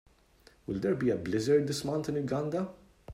Will there be a blizzard this month in Uganda